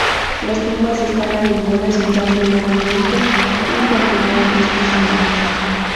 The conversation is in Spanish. Las tumbas estaban alineadas, mirando a levante y contenían restos humanos.